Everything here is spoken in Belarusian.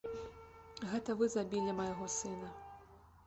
Гэта вы забілі майго сына!